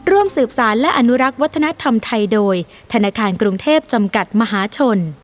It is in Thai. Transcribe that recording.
ร่วมสืบสารและอนุรักษ์วัฒนธรรมไทยโดยธนาคารกรุงเทพจำกัดมหาชน